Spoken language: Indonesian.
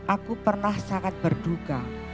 aku pernah sangat berduga